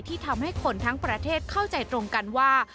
ที่ทำให้คนทั้งประเทศเข้าใจตรงกันว่า